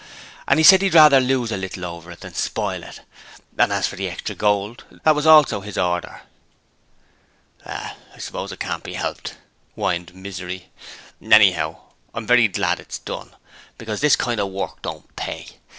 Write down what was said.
He said he would rather lose a little over it than spoil it; and as for the extra gold, that was also his order.' 'Well, I suppose it can't be helped,' whined Misery. 'Anyhow, I'm very glad it's done, because this kind of work don't pay.